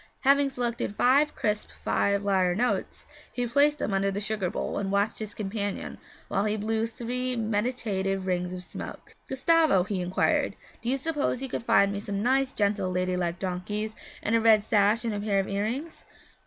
Having selected five crisp five lire notes, he placed them under the sugar bowl, and watched his companion while he blew three meditative rings of smoke. 'Gustavo,' he inquired, 'do you suppose you could find me some nice, gentle, lady like donkeys, and a red sash and a pair of earrings?'